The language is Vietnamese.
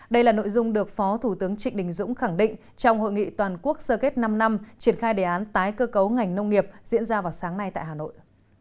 đây là nội dung được phó thủ tướng trịnh đình dũng khẳng định trong hội nghị toàn quốc sơ kết năm năm triển khai đề án tái cơ cấu ngành nông nghiệp diễn ra vào sáng nay tại hà nội